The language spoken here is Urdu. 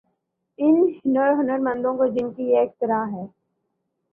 ان ہنرمندوں کو جن کی یہ اختراع ہے۔